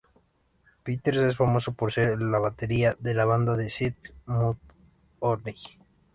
Peters es famoso por ser el batería de la banda de Seattle, Mudhoney.